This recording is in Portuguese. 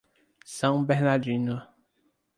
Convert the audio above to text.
São Bernardino